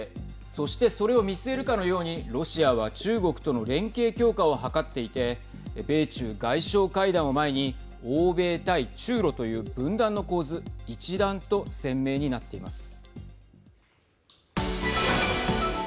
そしてそれを見据えるかのようにロシアは中国との連携強化を図っていて米中外相会談を前に欧米対中ロという分断の構図一段と鮮明になっています。